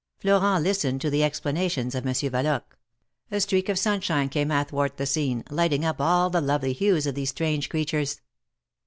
Florent listened to the explanations of Monsieur Valoque. A streak of sunshine came athwart the scene, lighting up all the lovely hues of these strange creatures.